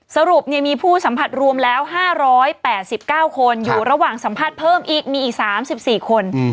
สรุปมีผู้สัมผัสรวมแล้ว๕๘๙คนอยู่ระหว่างสัมผัสเพิ่มอีกมีอีก๓๔คน